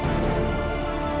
aku akan buktikan